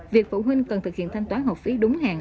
việc phụ huynh cần thực hiện thanh toán học phí đúng hàng